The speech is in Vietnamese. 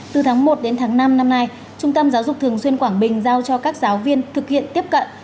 từ tháng một đến tháng năm năm nay trung tâm giáo dục thường xuyên quảng bình giao cho các giáo viên thực hiện tiếp cận